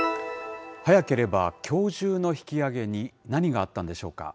早ければきょう中の引き揚げに、何があったんでしょうか。